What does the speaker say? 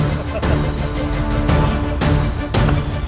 buat aku buat aku